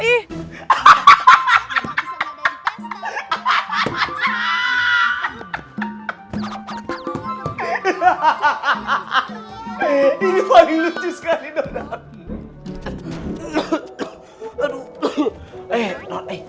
ini paling lucu sekali donat